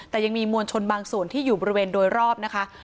แต่ยังมีมวลชนบางส่วนที่อยู่บริเวณโดยรอบนะคะ